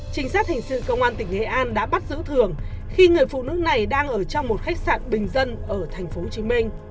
trinh sát hình sự công an tỉnh nghệ an đã bắt giữ thường khi người phụ nữ này đang ở trong một khách sạn bình dân ở tp hcm